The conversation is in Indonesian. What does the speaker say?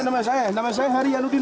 nama saya hari yanudin